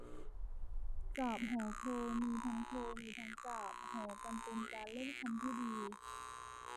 กาพย์ห่อโคลง มีทั้งโครง มีทั้งกาบ ห่อกัน เป็นการเล่นคำที่ดี